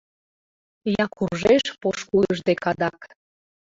Я куржеш пошкудыж дек адак.